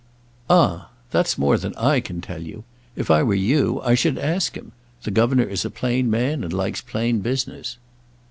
"Ah! that's more than I can tell you. If I were you, I should ask him. The governor is a plain man, and likes plain business."